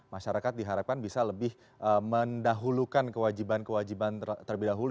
masyarakat diharapkan bisa lebih mendahulukan kewajiban kewajiban terlebih dahulu